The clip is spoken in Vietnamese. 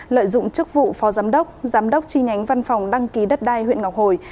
lợi dụng chức vụ phó giám đốc giám đốc chi nhánh văn phòng đăng ký đất đai huyện ngọc hồi